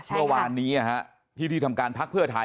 เมื่อวานนี้ที่ที่ทำการพักเพื่อไทย